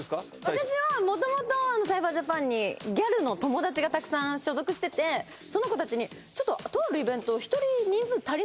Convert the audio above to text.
私は元々サイバージャパンにギャルの友達がたくさん所属しててその子たちに「ちょっととあるイベント１人人数足りないから」